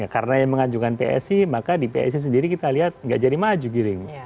karena yang mengajukan psi maka di psi sendiri kita lihat tidak jadi maju giring